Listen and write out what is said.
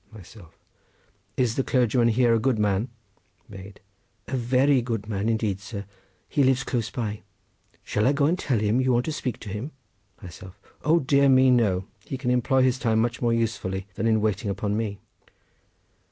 Myself.—Is the clergyman here a good man? Maid.—A very good man indeed, sir. He lives close by. Shall I go and tell him you want to speak to him? Myself.—O dear me, no! He can employ his time much more usefully than in waiting upon me.